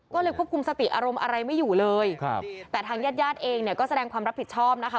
ก็เลยควบคุมสติอารมณ์อะไรไม่อยู่เลยครับแต่ทางญาติญาติเองเนี่ยก็แสดงความรับผิดชอบนะคะ